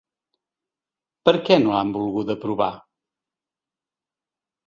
Per què no l’han volguda aprovar?